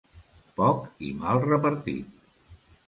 Poc i mal repartit.